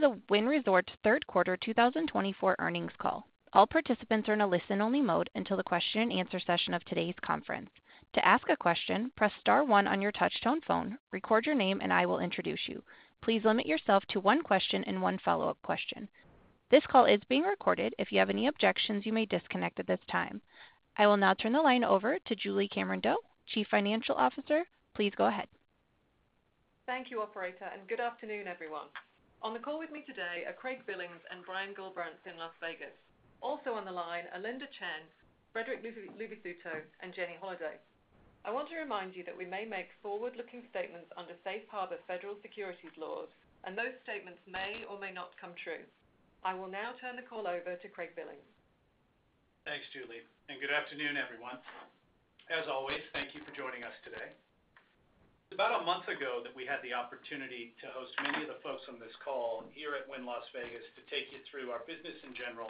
Welcome to the Wynn Resorts Q3 2024 earnings call. All participants are in a listen-only mode until the Q&A session of today's conference. To ask a question, press star one on your touchtone phone, record your name, and I will introduce you. Please limit yourself to one question and one follow-up question. This call is being recorded. If you have any objections, you may disconnect at this time. I will now turn the line over to Julie Cameron-Doe, Chief Financial Officer. Please go ahead. Thank you, Operator, and good afternoon, everyone. On the call with me today are Craig Billings and Brian Gullbrants in Las Vegas. Also on the line are Linda Chen, Frederic Luvisutto, and Jenny Holaday. I want to remind you that we may make forward-looking statements under safe harbor federal securities laws, and those statements may or may not come true. I will now turn the call over to Craig Billings. Thanks, Julie Cameron-Doe, and good afternoon, everyone. As always, thank you for joining us today. It's about a month ago that we had the opportunity to host many of the folks on this call here at Wynn Las Vegas to take you through our business in general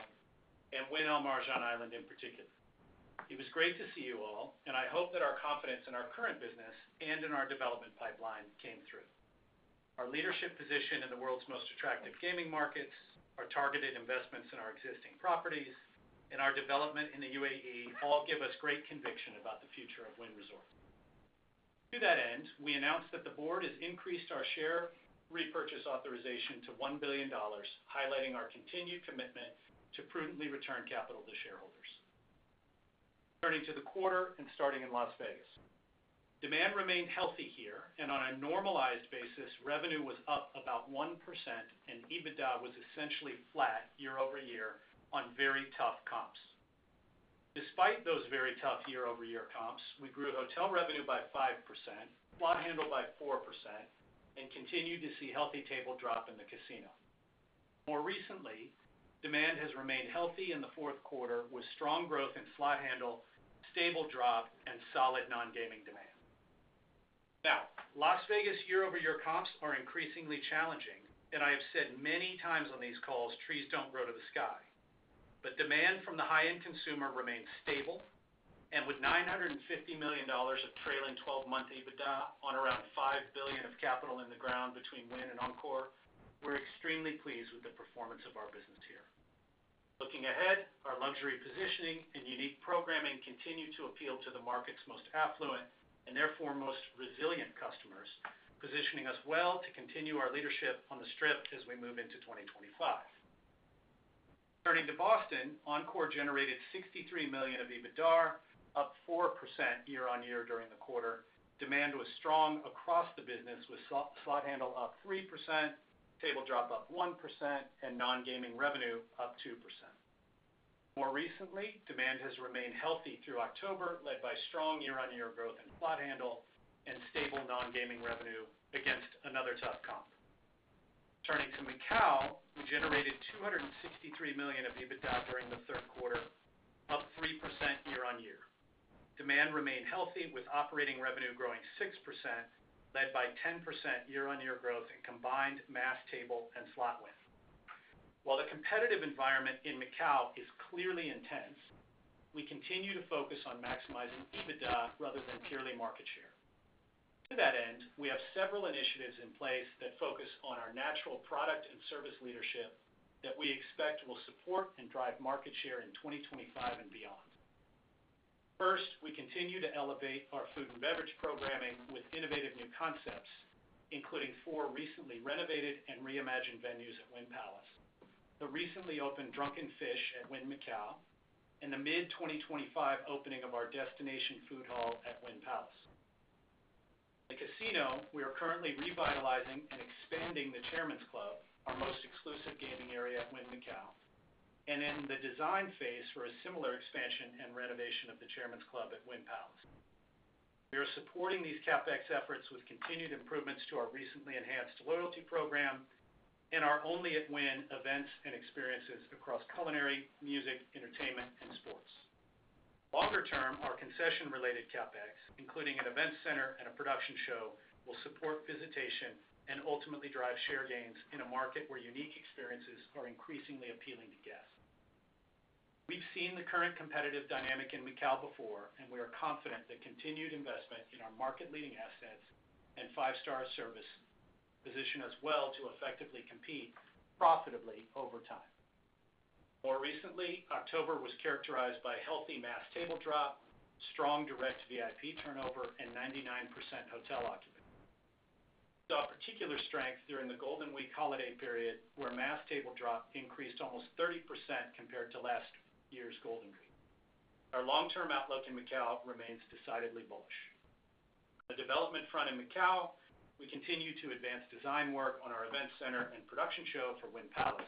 and Wynn Al Marjan Island in particular. It was great to see you all, and I hope that our confidence in our current business and in our development pipeline came through. Our leadership position in the world's most attractive gaming markets, our targeted investments in our existing properties, and our development in the UAE all give us great conviction about the future of Wynn Resorts. To that end, we announce that the board has increased our share repurchase authorization to $1 billion, highlighting our continued commitment to prudently return capital to shareholders. Turning to the quarter and starting in Las Vegas. Demand remained healthy here, and on a normalized basis, revenue was up about 1%, and EBITDA was essentially flat year-over-year on very tough comps. Despite those very tough year-over-year comps, we grew hotel revenue by 5%, slot handle by 4%, and continued to see healthy table drop in the casino. More recently, demand has remained healthy in the Q4 with strong growth in slot handle, table drop, and solid non-gaming demand. Now, Las Vegas year-over-year comps are increasingly challenging, and I have said many times on these calls, trees don't grow to the sky. But demand from the high-end consumer remains stable, and with $950 million of trailing 12-month EBITDA on around $5 billion of capital in the ground between Wynn and Encore, we're extremely pleased with the performance of our business here. Looking ahead, our luxury positioning and unique programming continue to appeal to the market's most affluent and therefore most resilient customers, positioning us well to continue our leadership on The Strip as we move into 2025. Turning to Boston, Encore generated $63 million of EBITDA, up 4% year-on-year during the quarter. Demand was strong across the business with slot handle up 3%, table drop up 1%, and non-gaming revenue up 2%. More recently, demand has remained healthy through October, led by strong year-on-year growth in slot handle and stable non-gaming revenue against another tough comp. Turning to Macau, we generated $263 million of EBITDA during the Q3, up 3% year-on-year. Demand remained healthy with operating revenue growing 6%, led by 10% year-on-year growth in combined mass table and slot win. While the competitive environment in Macau is clearly intense, we continue to focus on maximizing EBITDA rather than purely market share. To that end, we have several initiatives in place that focus on our natural product and service leadership that we expect will support and drive market share in 2025 and beyond. First, we continue to elevate our food and beverage programming with innovative new concepts, including four recently renovated and reimagined venues at Wynn Palace, the recently opened Drunken Fish at Wynn Macau, and the mid-2025 opening of our destination food hall at Wynn Palace. In the casino, we are currently revitalizing and expanding the Chairman's Club, our most exclusive gaming area at Wynn Macau, and in the design phase for a similar expansion and renovation of the Chairman's Club at Wynn Palace. We are supporting these CapEx efforts with continued improvements to our recently enhanced loyalty program and our Only at Wynn events and experiences across culinary, music, entertainment, and sports. Longer term, our concession-related CapEx, including an event center and a production show, will support visitation and ultimately drive share gains in a market where unique experiences are increasingly appealing to guests. We've seen the current competitive dynamic in Macau before, and we are confident that continued investment in our market-leading assets and five-star service position us well to effectively compete profitably over time. More recently, October was characterized by healthy mass table drop, strong direct VIP turnover, and 99% hotel occupancy. We saw particular strength during the Golden Week holiday period, where mass table drop increased almost 30% compared to last year's Golden Week. Our long-term outlook in Macau remains decidedly bullish. On the development front in Macau, we continue to advance design work on our event center and production show for Wynn Palace.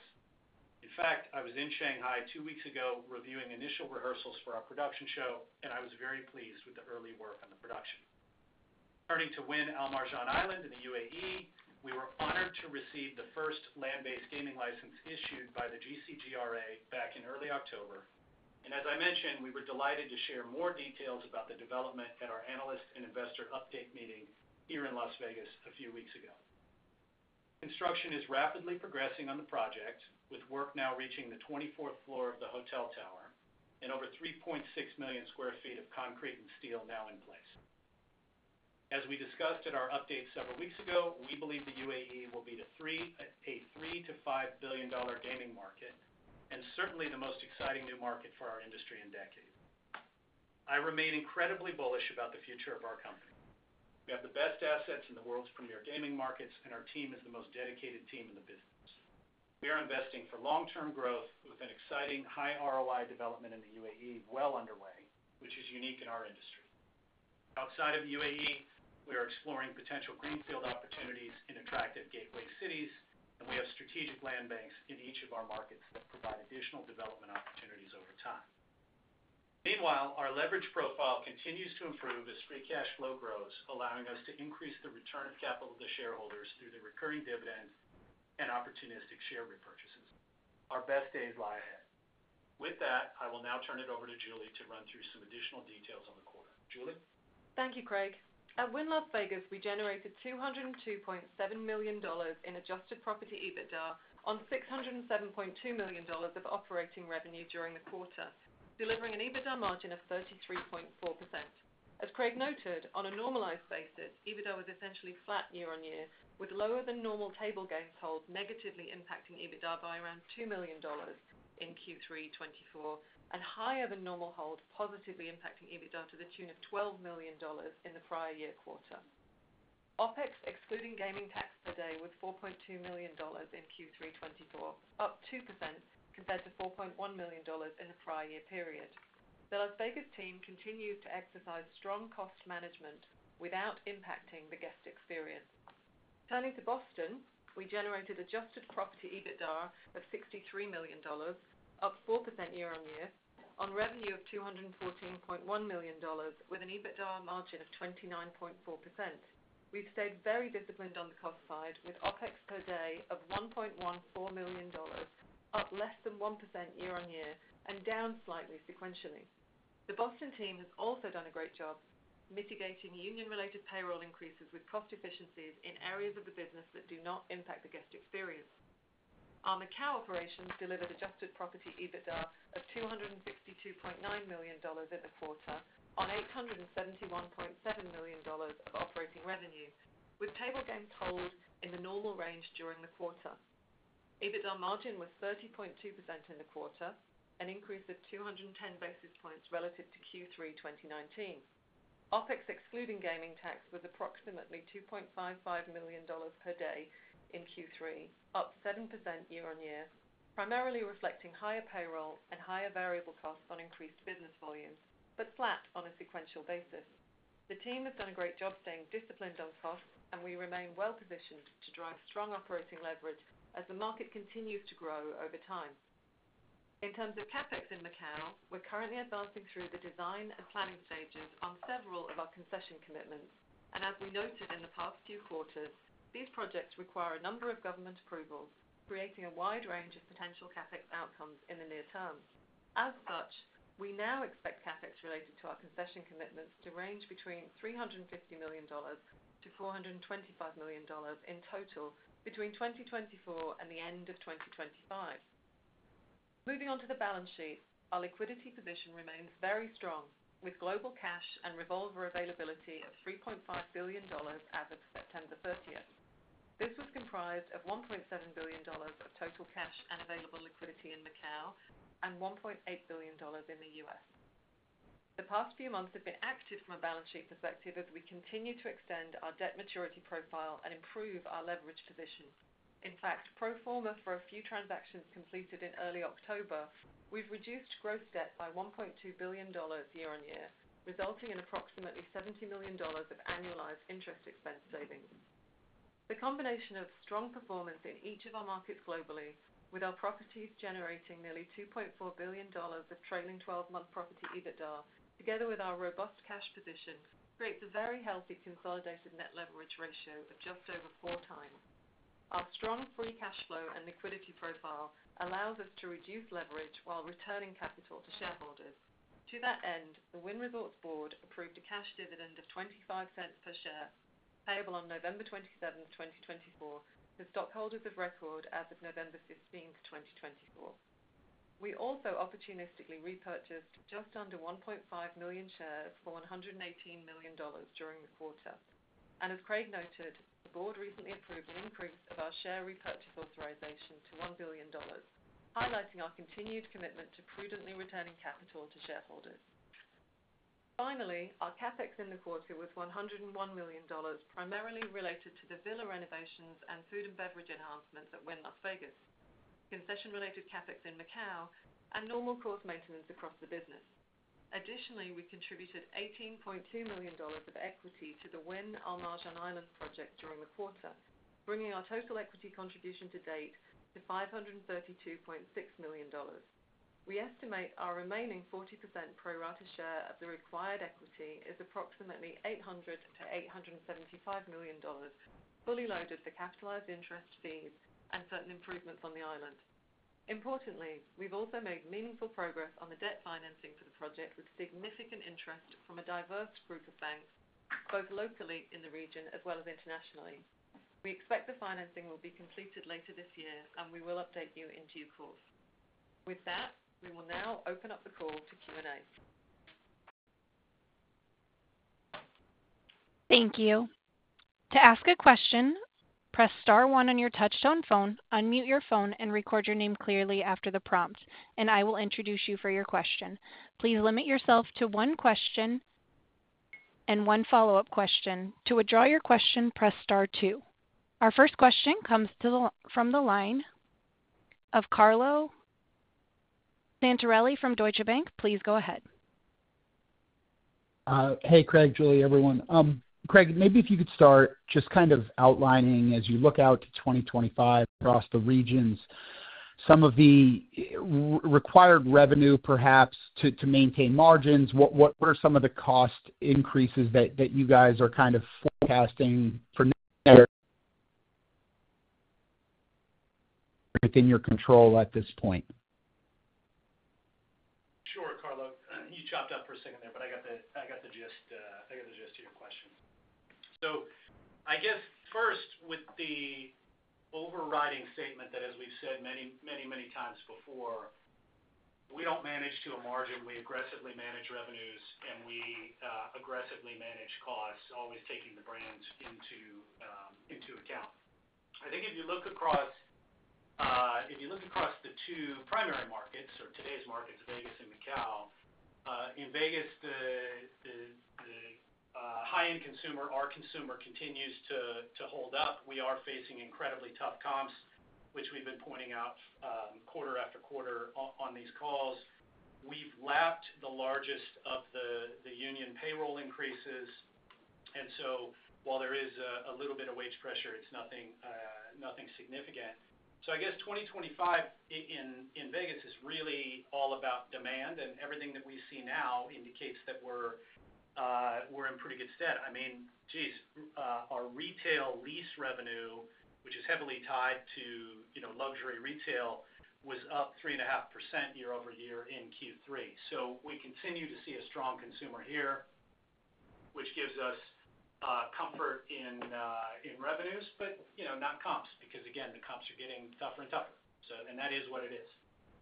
In fact, I was in Shanghai two weeks ago reviewing initial rehearsals for our production show, and I was very pleased with the early work on the production. Turning to Wynn Al Marjan Island in the UAE, we were honored to receive the first land-based gaming license issued by the GCGRA back in early October. And as I mentioned, we were delighted to share more details about the development at our analyst and investor update meeting here in Las Vegas a few weeks ago. Construction is rapidly progressing on the project, with work now reaching the 24th floor of the hotel tower and over 3.6 million sq ft of concrete and steel now in place. As we discussed at our update several weeks ago, we believe the UAE will be a $3-$5 billion gaming market and certainly the most exciting new market for our industry in decades. I remain incredibly bullish about the future of our company. We have the best assets in the world's premier gaming markets, and our team is the most dedicated team in the business. We are investing for long-term growth with an exciting high ROI development in the UAE well underway, which is unique in our industry. Outside of the UAE, we are exploring potential greenfield opportunities in attractive gateway cities, and we have strategic land banks in each of our markets that provide additional development opportunities over time. Meanwhile, our leverage profile continues to improve as free cash flow grows, allowing us to increase the return of capital to shareholders through the recurring dividends and opportunistic share repurchases. Our best days lie ahead. With that, I will now turn it over to Julie Cameron-Doe to run through some additional details on the quarter. Julie Cameron-Doe? Thank you, Craig Billings. At Wynn Las Vegas, we generated $202.7 million in Adjusted Property EBITDA on $607.2 million of operating revenue during the quarter, delivering an EBITDA margin of 33.4%. As Craig Billings noted, on a normalized basis, EBITDA was essentially flat year-on-year, with lower-than-normal table game holds negatively impacting EBITDA by around $2 million in Q3 2024 and higher-than-normal holds positively impacting EBITDA to the tune of $12 million in the prior-year-quarter. OpEx, excluding gaming tax per day, was $4.2 million in Q3 2024, up 2% compared to $4.1 million in the prior-year-period. The Las Vegas team continues to exercise strong cost management without impacting the guest experience. Turning to Boston, we generated adjusted property EBITDA of $63 million, up 4% year-on-year, on revenue of $214.1 million, with an EBITDA margin of 29.4%. We've stayed very disciplined on the cost side, with OpEx per day of $1.14 million, up less than 1% year-on-year and down slightly sequentially. The Boston team has also done a great job mitigating union-related payroll increases with cost efficiencies in areas of the business that do not impact the guest experience. Our Macau operations delivered Adjusted Property EBITDA of $262.9 million in the quarter, on $871.7 million of operating revenue, with table games hold in the normal range during the quarter. EBITDA margin was 30.2% in the quarter, an increase of 210 basis points relative to Q3 2019. OpEx, excluding gaming tax, was approximately $2.55 million per day in Q3, up 7% year-on-year, primarily reflecting higher payroll and higher variable costs on increased business volume, but flat on a sequential basis. The team has done a great job staying disciplined on costs, and we remain well-positioned to drive strong operating leverage as the market continues to grow over time. In terms of CapEx in Macau, we're currently advancing through the design and planning stages on several of our concession commitments, and as we noted in the past few quarters, these projects require a number of government approvals, creating a wide range of potential CapEx outcomes in the near term. As such, we now expect CapEx related to our concession commitments to range between $350 million-$425 million in total between 2024 and the end of 2025. Moving on to the balance sheet, our liquidity position remains very strong, with global cash and revolver availability of $3.5 billion as of September 30th. This was comprised of $1.7 billion of total cash and available liquidity in Macau and $1.8 billion in the U.S. The past few months have been active from a balance sheet perspective as we continue to extend our debt maturity profile and improve our leverage position. In fact, pro forma for a few transactions completed in early October, we've reduced gross debt by $1.2 billion year-on-year, resulting in approximately $70 million of annualized interest expense savings. The combination of strong performance in each of our markets globally, with our properties generating nearly $2.4 billion of trailing 12-month Property EBITDA, together with our robust cash position, creates a very healthy consolidated net leverage ratio of just over four times. Our strong free cash flow and liquidity profile allows us to reduce leverage while returning capital to shareholders. To that end, the Wynn Resorts Board approved a cash dividend of $0.25 per share, payable on November 27th, 2024, to stockholders of record as of November 15th, 2024. We also opportunistically repurchased just under 1.5 million shares for $118 million during the quarter. And as Craig Billings noted, the board recently approved an increase of our share repurchase authorization to $1 billion, highlighting our continued commitment to prudently returning capital to shareholders. Finally, our CapEx in the quarter was $101 million, primarily related to the villa renovations and food and beverage enhancements at Wynn Las Vegas, concession-related CapEx in Macau, and normal cost maintenance across the business. Additionally, we contributed $18.2 million of equity to the Wynn Al Marjan Island project during the quarter, bringing our total equity contribution to date to $532.6 million. We estimate our remaining 40% pro rata share of the required equity is approximately $800-$875 million, fully loaded for capitalized interest fees and certain improvements on the island. Importantly, we've also made meaningful progress on the debt financing for the project with significant interest from a diverse group of banks, both locally in the region as well as internationally. We expect the financing will be completed later this year, and we will update you in due course. With that, we will now open up the call to Q&A. Thank you. To ask a question, press star one on your touch-tone phone, unmute your phone, and record your name clearly after the prompt, and I will introduce you for your question. Please limit yourself to one question and one follow-up question. To withdraw your question, press star two. Our first question comes from the line of Carlo Santarelli from Deutsche Bank. Please go ahead. Hey, Craig Billings, Julie Cameron-Doe, everyone. Craig Billings, maybe if you could start just kind of outlining as you look out to 2025 across the regions, some of the required revenue, perhaps, to maintain margins, what are some of the cost increases that you guys are kind of forecasting within your control at this point? Sure, Carlo Santarelli. You chopped up for a second there, but I got the gist to your question. So I guess first, with the overriding statement that, as we've said many, many times before, we don't manage to a margin. We aggressively manage revenues, and we aggressively manage costs, always taking the brands into account. I think if you look across the two primary markets, or today's markets, Vegas and Macau, in Vegas, the high-end consumer, our consumer, continues to hold up. We are facing incredibly tough comps, which we've been pointing out quarter after quarter on these calls. We've lapped the largest of the union payroll increases. And so while there is a little bit of wage pressure, it's nothing significant. So I guess 2025 in Vegas is really all about demand, and everything that we see now indicates that we're in pretty good stead. I mean, geez, our retail lease revenue, which is heavily tied to luxury retail, was up 3.5% year-over-year in Q3. So we continue to see a strong consumer here, which gives us comfort in revenues, but not comps, because, again, the comps are getting tougher and tougher. And that is what it is.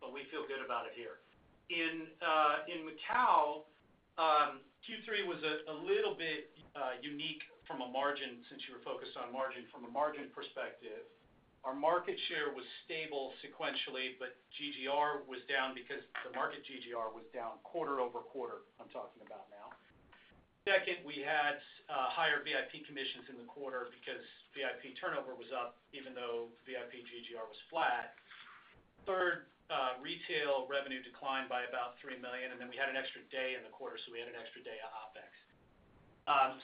But we feel good about it here. In Macau, Q3 was a little bit unique from a margin since you were focused on margin. From a margin perspective, our market share was stable sequentially, but GGR was down because the market GGR was down quarter-over-quarter. I'm talking about now. Second, we had higher VIP commissions in the quarter because VIP turnover was up, even though VIP GGR was flat. Third, retail revenue declined by about $3 million, and then we had an extra day in the quarter, so we had an extra day of OpEx.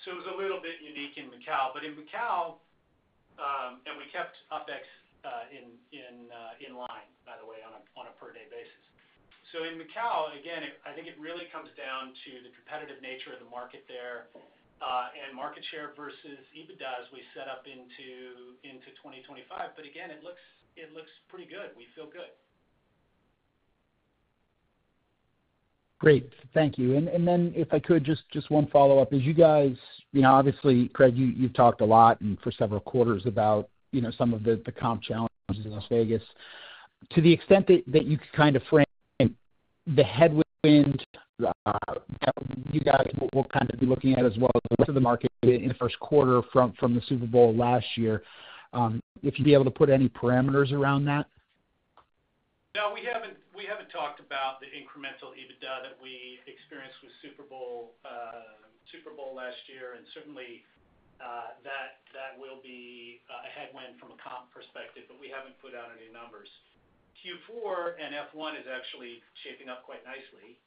It was a little bit unique in Macau. But in Macau, and we kept OpEx in line, by the way, on a per-day basis. In Macau, again, I think it really comes down to the competitive nature of the market there and market share versus EBITDA as we set up into 2025. But again, it looks pretty good. We feel good. Great. Thank you. And then if I could, just one follow-up. As you guys, obviously, Craig Billings, you've talked a lot for several quarters about some of the comp challenges in Las Vegas. To the extent that you could kind of frame the headwinds you guys will kind of be looking at as well as the rest of the market in the Q4 from the Super Bowl last year, if you'd be able to put any parameters around that? No, we haven't talked about the incremental EBITDA that we experienced with Super Bowl last year. And certainly, that will be a headwind from a comp perspective, but we haven't put out any numbers. Q4 and F1 is actually shaping up quite nicely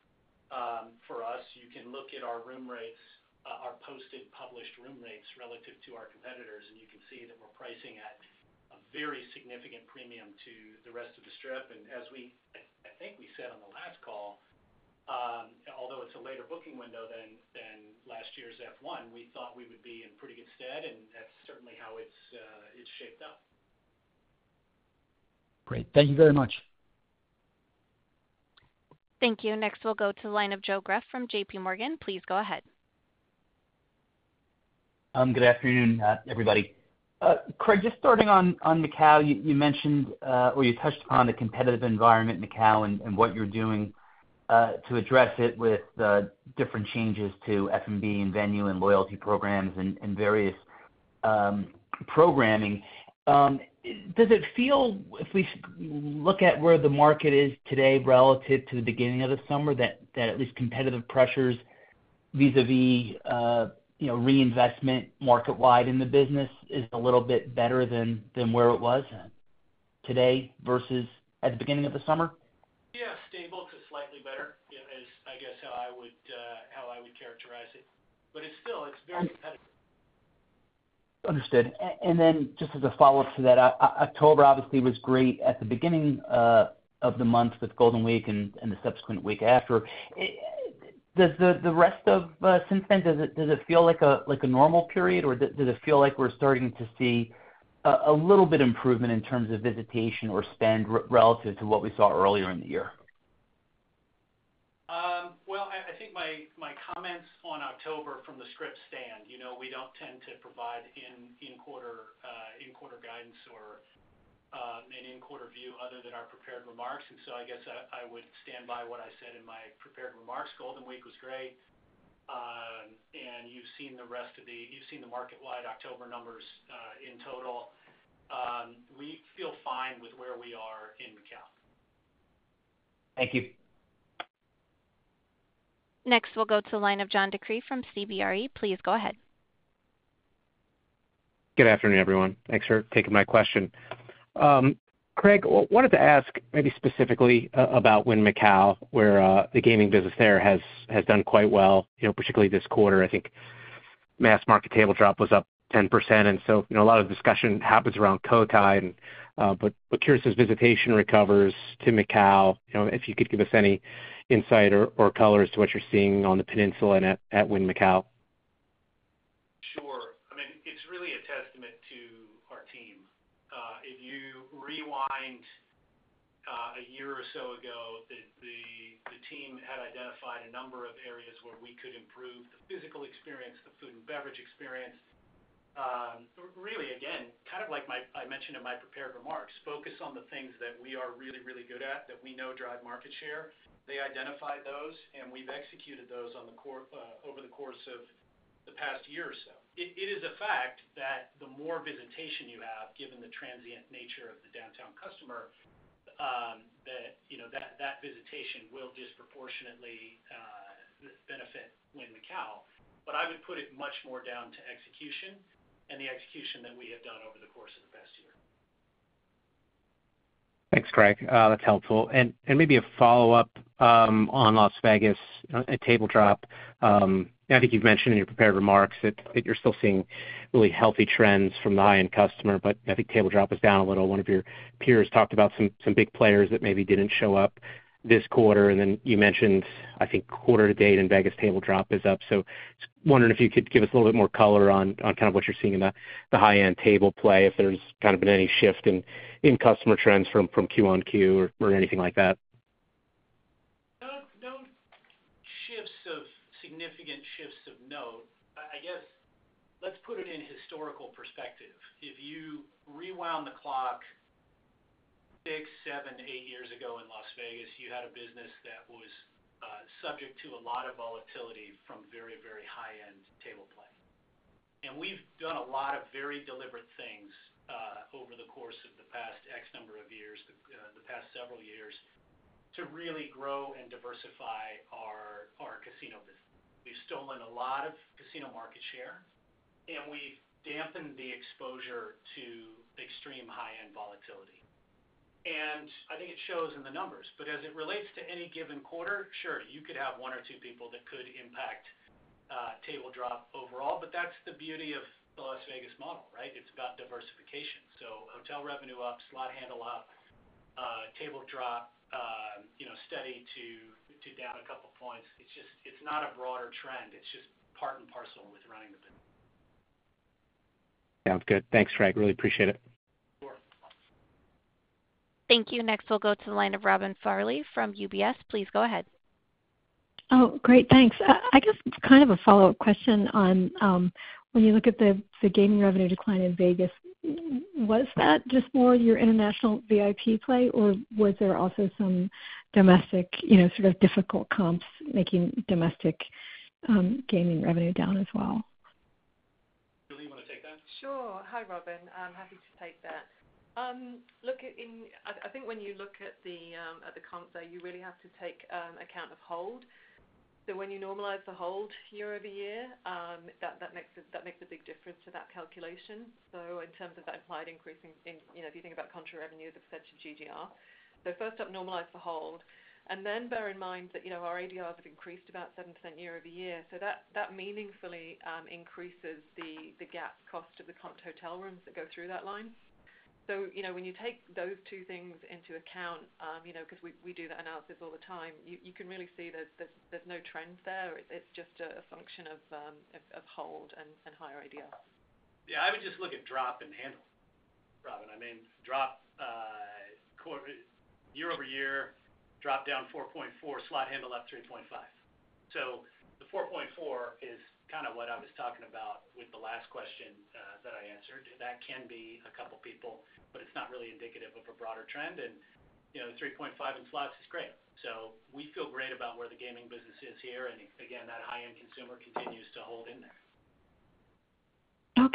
for us. You can look at our room rates, our posted published room rates relative to our competitors, and you can see that we're pricing at a very significant premium to the rest of the Strip. And as I think we said on the last call, although it's a later booking window than last year's F1, we thought we would be in pretty good stead, and that's certainly how it's shaped up. Great. Thank you very much. Thank you. Next, we'll go to the line of Joseph Greff from JPMorgan. Please go ahead. Good afternoon, everybody. Craig Billings, just starting on Macau, you mentioned or you touched upon the competitive environment in Macau and what you're doing to address it with different changes to F&B and venue and loyalty programs and various programming. Does it feel, if we look at where the market is today relative to the beginning of the summer, that at least competitive pressures vis-à-vis reinvestment market-wide in the business is a little bit better than where it was today versus at the beginning of the summer? Yeah, stable to slightly better, is, I guess, how I would characterize it. But still, it's very competitive. Understood. And then just as a follow-up to that, October obviously was great at the beginning of the month with Golden Week and the subsequent week after. The rest of since then, does it feel like a normal period, or does it feel like we're starting to see a little bit of improvement in terms of visitation or spend relative to what we saw earlier in the year? I think my comments on October from the scripts stand. We don't tend to provide in-quarter guidance or an in-quarter view other than our prepared remarks. And so I guess I would stand by what I said in my prepared remarks. Golden Week was great. And you've seen the rest of the market-wide October numbers in total. We feel fine with where we are in Macau. Thank you. Next, we'll go to the line of John DeCree from CBRE. Please go ahead. Good afternoon, everyone. Thanks for taking my question. Craig Billings, I wanted to ask maybe specifically about Wynn Macau, where the gaming business there has done quite well, particularly this quarter. I think mass market table drop was up 10%. And so a lot of discussion happens around Cotai. But curious as visitation recovers to Macau, if you could give us any insight or color as to what you're seeing on the peninsula and at Wynn Macau. Sure. I mean, it's really a testament to our team. If you rewind a year or so ago, the team had identified a number of areas where we could improve the physical experience, the food and beverage experience. Really, again, kind of like I mentioned in my prepared remarks, focus on the things that we are really, really good at that we know drive market share. They identified those, and we've executed those over the course of the past year or so. It is a fact that the more visitation you have, given the transient nature of the downtown customer, that that visitation will disproportionately benefit Wynn Macau. But I would put it much more down to execution and the execution that we have done over the course of the past year. Thanks, Craig Billings. That's helpful. And maybe a follow-up on Las Vegas, a table drop. I think you've mentioned in your prepared remarks that you're still seeing really healthy trends from the high-end customer, but I think table drop is down a little. One of your peers talked about some big players that maybe didn't show up this quarter. And then you mentioned, I think, quarter to date in Vegas, table drop is up. So wondering if you could give us a little bit more color on kind of what you're seeing in the high-end table play, if there's kind of been any shift in customer trends from QoQ or anything like that? No significant shifts of note. I guess let's put it in historical perspective. If you rewound the clock six, seven, eight years ago in Las Vegas, you had a business that was subject to a lot of volatility from very, very high-end table play, and we've done a lot of very deliberate things over the course of the past X number of years, the past several years, to really grow and diversify our casino business. We've stolen a lot of casino market share, and we've dampened the exposure to extreme high-end volatility, and I think it shows in the numbers, but as it relates to any given quarter, sure, you could have one or two people that could impact table drop overall, but that's the beauty of the Las Vegas model, right? It's about diversification. So hotel revenue up, slot handle up, table drop steady to down a couple of points. It's not a broader trend. It's just part and parcel with running the business. Sounds good. Thanks, Craig Billings. Really appreciate it. Sure. Thank you. Next, we'll go to the line of Robin Farley from UBS. Please go ahead. Oh, great. Thanks. I guess kind of a follow-up question on when you look at the gaming revenue decline in Vegas, was that just more your international VIP play, or was there also some domestic sort of difficult comps making domestic gaming revenue down as well? Julie Cameron-Doe, you want to take that? Sure. Hi, Robin Farley. I'm happy to take that. Look, I think when you look at the comps, you really have to take account of hold. So when you normalize the hold year-over-year, that makes a big difference to that calculation. So in terms of that implied increase in, if you think about, contra revenue, the percentage of GGR. So first up, normalize the hold. And then bear in mind that our ADRs have increased about 7% year-over-year. So that meaningfully increases the comp cost of the comp hotel rooms that go through that line. So when you take those two things into account, because we do that analysis all the time, you can really see there's no trend there. It's just a function of hold and higher ADR. Yeah. I would just look at drop and handle, Robin Farley. I mean, drop year-over-year, drop down 4.4%, slot handle up 3.5%. So the 4.4% is kind of what I was talking about with the last question that I answered. That can be a couple of people, but it's not really indicative of a broader trend, and 3.5% in slots is great. So we feel great about where the gaming business is here, and again, that high-end consumer continues to hold in there.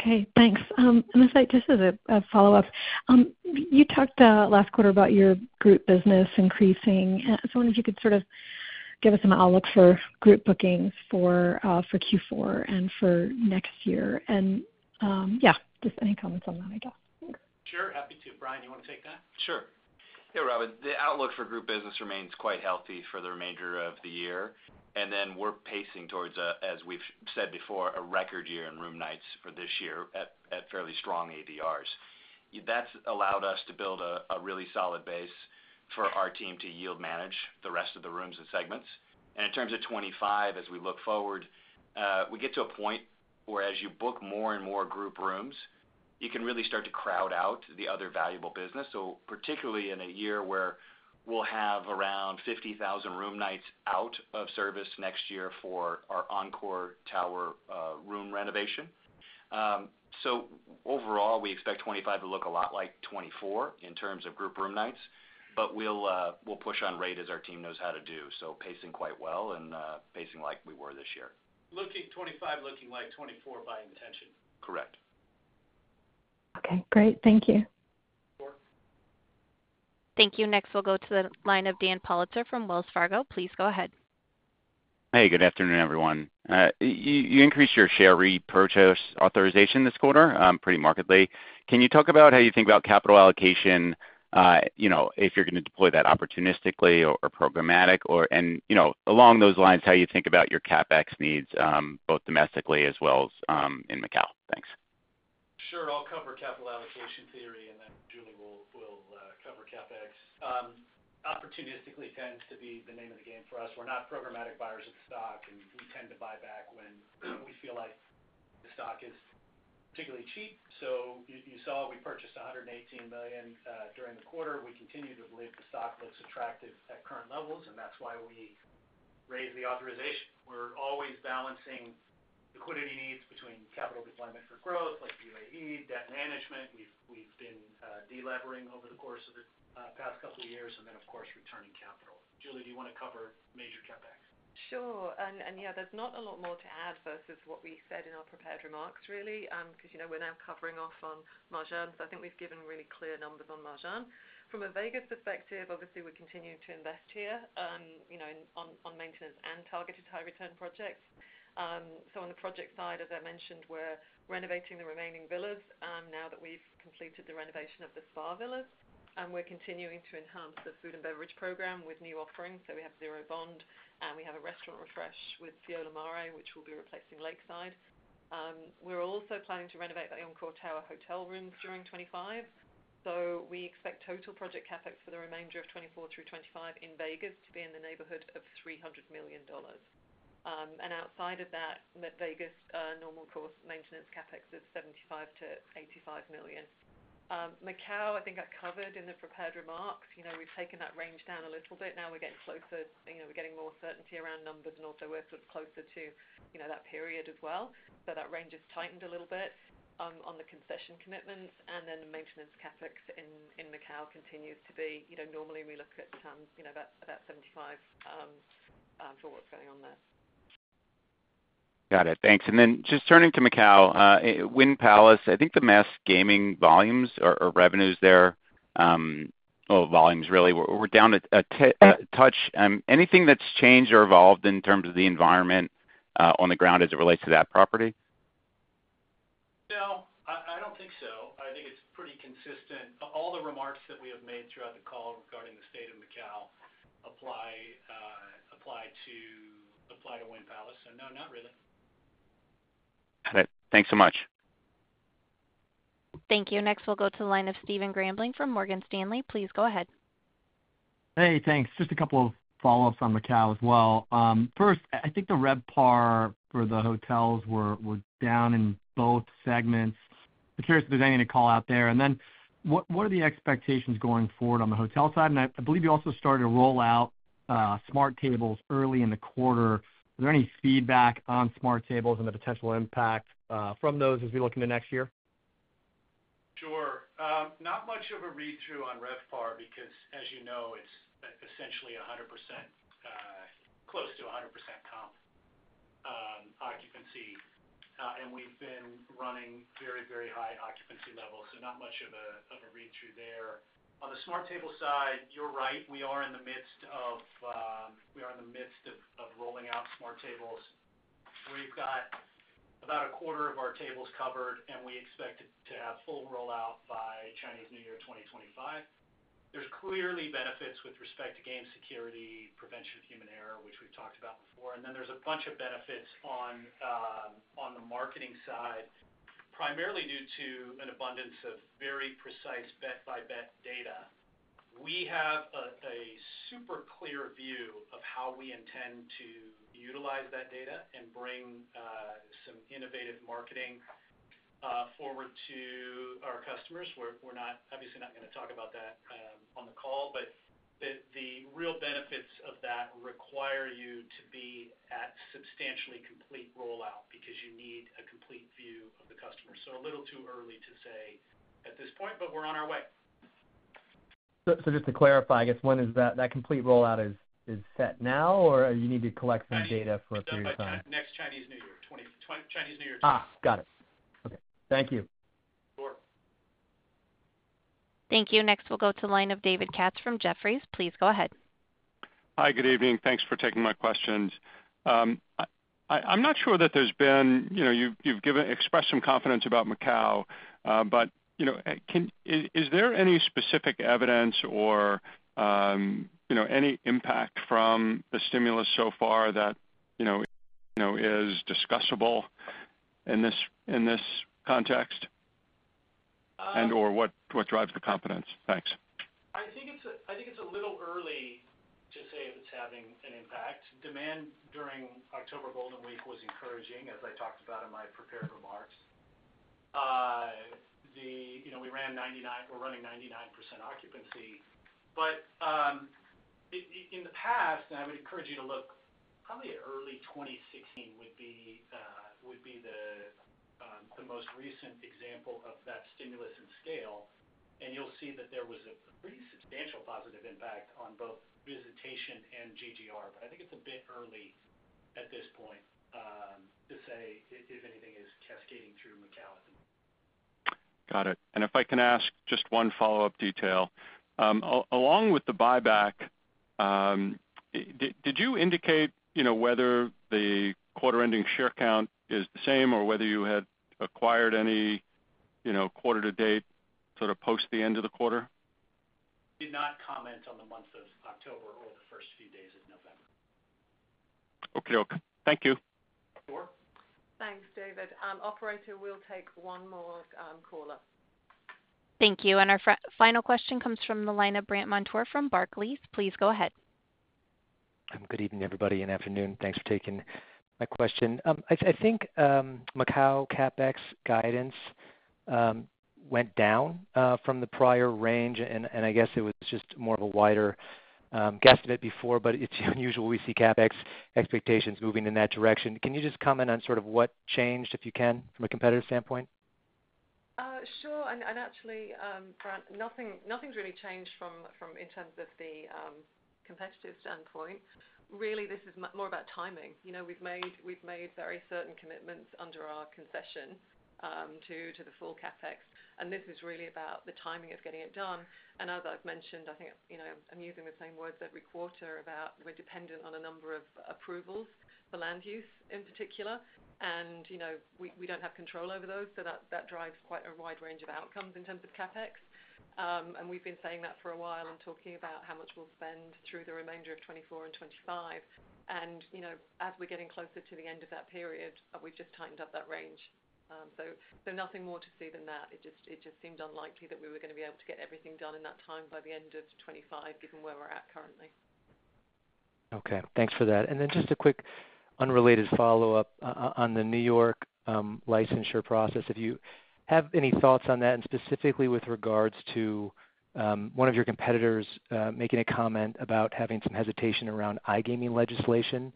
Okay. Thanks. And in fact, just as a follow-up, you talked last quarter about your group business increasing. So I wonder if you could sort of give us an outlook for group bookings for Q4 and for next year. And yeah, just any comments on that, I guess. Sure. Happy to. Brian Gullbrants, you want to take that? Sure. Yeah, Robin Farley. The outlook for group business remains quite healthy for the remainder of the year, and then we're pacing towards, as we've said before, a record year in room nights for this year at fairly strong ADRs. That's allowed us to build a really solid base for our team to yield manage the rest of the rooms and segments, and in terms of 2025, as we look forward, we get to a point where, as you book more and more group rooms, you can really start to crowd out the other valuable business, so particularly in a year where we'll have around 50,000 room nights out of service next year for our Encore Tower room renovation, so overall, we expect 2025 to look a lot like 2024 in terms of group room nights, but we'll push on rate as our team knows how to do. So pacing quite well and pacing like we were this year. Looking 2025, looking like 2024 by intention. Correct. Okay. Great. Thank you. Sure. Thank you. Next, we'll go to the line of Dan Politzer from Wells Fargo. Please go ahead. Hey, good afternoon, everyone. You increased your share repurchase authorization this quarter pretty markedly. Can you talk about how you think about capital allocation if you're going to deploy that opportunistically or programmatic? And along those lines, how you think about your CapEx needs both domestically as well as in Macau? Thanks. Sure. I'll cover capital allocation theory, and then Julie Cameron-Doe will cover CapEx. Opportunistically tends to be the name of the game for us. We're not programmatic buyers of the stock, and we tend to buy back when we feel like the stock is particularly cheap. So you saw we purchased 118 million during the quarter. We continue to believe the stock looks attractive at current levels, and that's why we raised the authorization. We're always balancing liquidity needs between capital deployment for growth like UAE, debt management. We've been delevering over the course of the past couple of years, and then, of course, returning capital. Julie Cameron-Doe, do you want to cover major CapEx? Sure. And yeah, there's not a lot more to add versus what we said in our prepared remarks, really, because we're now covering off on Marjan. So I think we've given really clear numbers on Marjan. From a Vegas perspective, obviously, we continue to invest here on maintenance and targeted high-return projects. So on the project side, as I mentioned, we're renovating the remaining villas now that we've completed the renovation of the spa villas. And we're continuing to enhance the food and beverage program with new offerings. So we have Zero Bond, and we have a restaurant refresh with Fiola Mare, which will be replacing Lakeside. We're also planning to renovate the Encore Tower hotel rooms during 2025. So we expect total project CapEx for the remainder of 2024 through 2025 in Vegas to be in the neighborhood of $300 million. Outside of that, Vegas normal course maintenance CapEx is $75 million-$85 million. Macau, I think I covered in the prepared remarks. We've taken that range down a little bit. Now we're getting closer. We're getting more certainty around numbers, and also we're sort of closer to that period as well. So that range has tightened a little bit on the concession commitments. And then maintenance CapEx in Macau continues to be normally we look at about $75 million for what's going on there. Got it. Thanks. And then just turning to Macau, Wynn Palace, I think the mass gaming volumes or revenues there, well, volumes really, were down a touch. Anything that's changed or evolved in terms of the environment on the ground as it relates to that property? No. I don't think so. I think it's pretty consistent. All the remarks that we have made throughout the call regarding the state of Macau apply to Wynn Palace. So no, not really. Got it. Thanks so much. Thank you. Next, we'll go to the line of Stephen Grambling from Morgan Stanley. Please go ahead. Hey, thanks. Just a couple of follow-ups on Macau as well. First, I think the RevPAR for the hotels were down in both segments. I'm curious if there's anything to call out there. And then what are the expectations going forward on the hotel side? And I believe you also started to roll out Smart Tables early in the quarter. Is there any feedback on Smart Tables and the potential impact from those as we look into next year? Sure. Not much of a read-through on RevPAR because, as you know, it's essentially 100% close to 100% comp occupancy, and we've been running very, very high occupancy levels, so not much of a read-through there. On the Smart Table side, you're right. We are in the midst of rolling out Smart Tables where you've got about a quarter of our tables covered, and we expect to have full rollout by Chinese New Year 2025. There's clearly benefits with respect to game security, prevention of human error, which we've talked about before. And then there's a bunch of benefits on the marketing side, primarily due to an abundance of very precise bet-by-bet data. We have a super clear view of how we intend to utilize that data and bring some innovative marketing forward to our customers. We're obviously not going to talk about that on the call, but the real benefits of that require you to be at substantially complete rollout because you need a complete view of the customer. So a little too early to say at this point, but we're on our way. Just to clarify, I guess when is that complete rollout is set now, or you need to collect some data for a period of time? Next Chinese New Year. Chinese New Year time. Got it. Okay. Thank you. Sure. Thank you. Next, we'll go to the line of David Katz from Jefferies. Please go ahead. Hi, good evening. Thanks for taking my questions. I'm not sure that there's been. You've expressed some confidence about Macau, but is there any specific evidence or any impact from the stimulus so far that is discussable in this context and/or what drives the confidence? Thanks. I think it's a little early to say if it's having an impact. Demand during October Golden Week was encouraging, as I talked about in my prepared remarks. We ran 99% occupancy. We're running 99% occupancy, but in the past, and I would encourage you to look, probably early 2016 would be the most recent example of that stimulus and scale, and you'll see that there was a pretty substantial positive impact on both visitation and GGR, but I think it's a bit early at this point to say if anything is cascading through Macau at the moment. Got it. And if I can ask just one follow-up detail. Along with the buyback, did you indicate whether the quarter-ending share count is the same or whether you had acquired any quarter-to-date sort of post the end of the quarter? Did not comment on the month of October or the first few days of November. Okay. Thank you. Sure. Thanks, David Politzer. Operator will take one more caller. Thank you. And our final question comes from the line of Brant Montour from Barclays. Please go ahead. Good evening, everybody, and afternoon. Thanks for taking my question. I think Macau CapEx guidance went down from the prior range, and I guess it was just more of a wider guesstimate before, but it's unusual we see CapEx expectations moving in that direction. Can you just comment on sort of what changed, if you can, from a competitive standpoint? Sure. And actually, Brant Montour, nothing's really changed in terms of the competitive standpoint. Really, this is more about timing. We've made very certain commitments under our concession to the full CapEx. And this is really about the timing of getting it done. And as I've mentioned, I think I'm using the same words every quarter about we're dependent on a number of approvals for land use in particular. And we don't have control over those. So that drives quite a wide range of outcomes in terms of CapEx. And we've been saying that for a while and talking about how much we'll spend through the remainder of 2024 and 2025. And as we're getting closer to the end of that period, we've just tightened up that range. So nothing more to see than that. It just seemed unlikely that we were going to be able to get everything done in that time by the end of 2025, given where we're at currently. Okay. Thanks for that. And then just a quick unrelated follow-up on the New York licensure process. If you have any thoughts on that, and specifically with regards to one of your competitors making a comment about having some hesitation around iGaming legislation,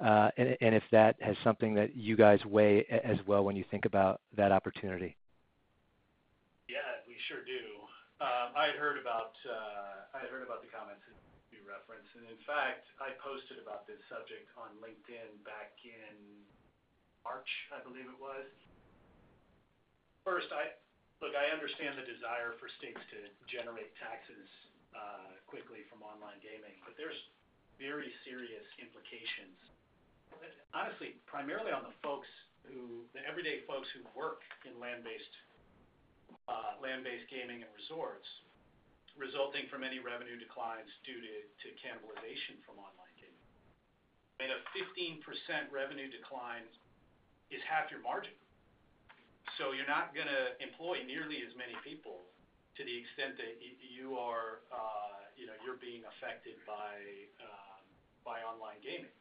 and if that has something that you guys weigh as well when you think about that opportunity? Yeah, we sure do. I had heard about the comments that you referenced. And in fact, I posted about this subject on LinkedIn back in March, I believe it was. Look, I understand the desire for states to generate taxes quickly from online gaming, but there's very serious implications, honestly, primarily on the folks, the everyday folks who work in land-based gaming and resorts, resulting from any revenue declines due to cannibalization from online gaming. I mean, a 15% revenue decline is half your margin. So you're not going to employ nearly as many people to the extent that you're being affected by online gaming.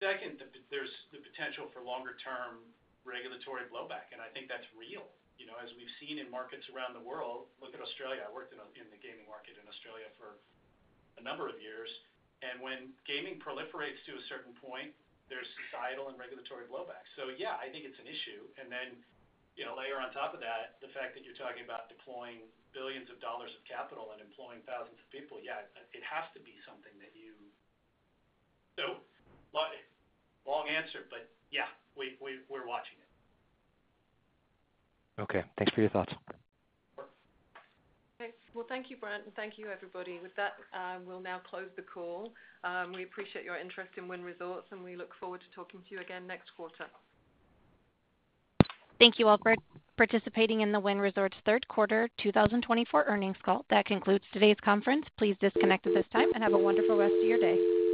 Second, there's the potential for longer-term regulatory blowback. And I think that's real. As we've seen in markets around the world, look at Australia. I worked in the gaming market in Australia for a number of years. And when gaming proliferates to a certain point, there's societal and regulatory blowback. So yeah, I think it's an issue. And then layer on top of that, the fact that you're talking about deploying billions of dollars of capital and employing thousands of people, yeah, it has to be something that you thoughtfully answer, but yeah, we're watching it. Okay. Thanks for your thoughts. Okay. Well, thank you, Brandt Montour, and thank you, everybody. With that, we'll now close the call. We appreciate your interest in Wynn Resorts, and we look forward to talking to you again next quarter. Thank you all for participating in the Wynn Resorts Q3 2024 earnings call. That concludes today's conference. Please disconnect at this time and have a wonderful rest of your day.